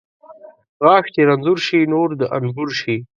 ـ غاښ چې رنځور شي ، نور د انبور شي .